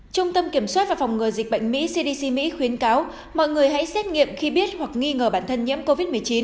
trung tâm kiểm soát và phòng ngừa dịch bệnh mỹ cdc mỹ khuyến cáo mọi người hãy xét nghiệm khi biết hoặc nghi ngờ bản thân nhiễm covid một mươi chín